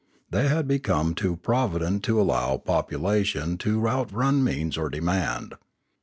They had become too provident to allow population to outrun means or demand.